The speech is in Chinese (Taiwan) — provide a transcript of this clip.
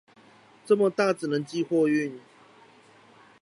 這麼大只能寄貨運